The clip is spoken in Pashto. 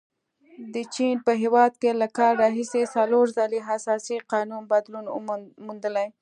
د چین په هیواد کې له کال راهیسې څلور ځلې اساسي قانون بدلون موندلی.